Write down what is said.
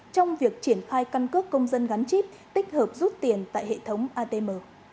trong việc triển khai căn cước công dân gắn chip tích hợp rút tiền tại hệ thống atm